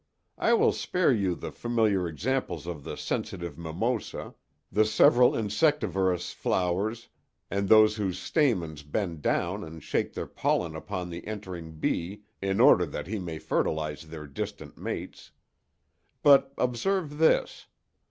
I will spare you the familiar examples of the sensitive mimosa, the several insectivorous flowers and those whose stamens bend down and shake their pollen upon the entering bee in order that he may fertilize their distant mates. But observe this.